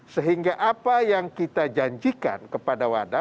sehingga apa yang kita janjikan kepada wadah